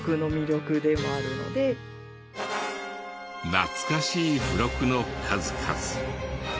懐かしい付録の数々。